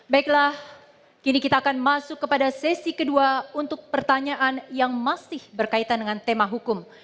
baiklah kini kita akan masuk kepada sesi kedua untuk pertanyaan yang masih berkaitan dengan tema hukum